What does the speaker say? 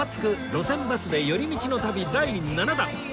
路線バスで寄り道の旅』第７弾